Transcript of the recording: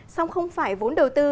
song không phải vốn đầu tư